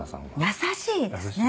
優しいですね。